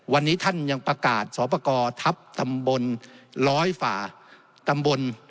วันนี้ท่านยังประกาศสอบประกอบทัพตำบลร้อยฝ่าตำบล